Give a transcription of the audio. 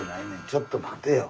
ちょっと待てよ。